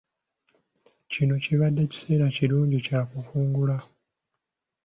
Kino kibadde kiseera kirungi kya kukungula.